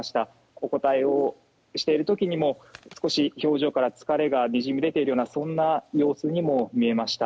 お答えをしている時にも少し表情から疲れがにじみ出ているようなそんな様子にも見えました。